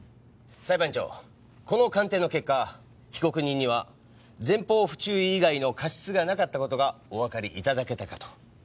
裁判長この鑑定の結果被告人には前方不注意以外の過失がなかった事がおわかり頂けたかと。